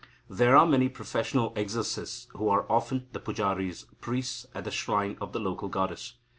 "There are many professional exorcists, who are often the pujaris (priests) at the shrine of the local goddess.